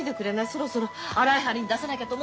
そろそろ洗い張りに出さなきゃと思ってたのよ。